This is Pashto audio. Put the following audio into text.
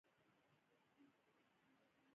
دا فعالیتونه د وارداتو په کمولو کې مرسته کوي.